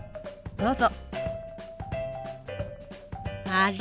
どうぞ。